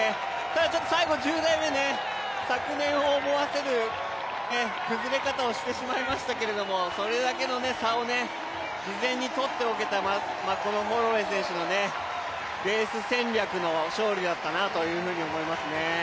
ただちょっと最後、１０台目、昨年を思わせる崩れ方をしてしまいましたけどそれだけの差を事前にとっておけた、このホロウェイ選手のレース戦略の勝利だったなと思いますね。